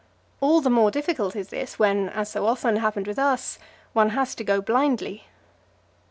All the more difficult is this when, as so often happened with us, one has to go blindly.